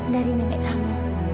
dari nenek kamu